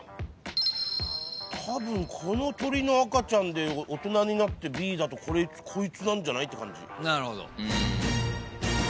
たぶんこの鳥の赤ちゃんで大人になってＢだとこいつなんじゃない？って感じ。